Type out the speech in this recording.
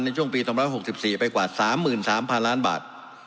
ในช่วงปี๒๖๔ไปกว่า๓๓๐๐๐ล้านบาท